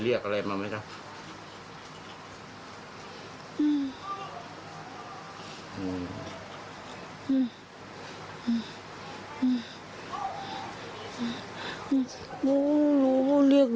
เวียนหัวแล้วก็ช่วย